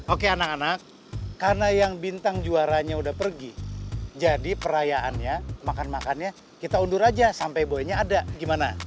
oke anak anak karena yang bintang juaranya udah pergi jadi perayaannya makan makannya kita undur aja sampai boynya ada gimana